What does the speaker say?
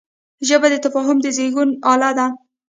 ژبه د تفاهم د زېږون اله ده